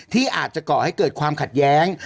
ที่อาจจะก่อให้เกิดความขัดแย้ง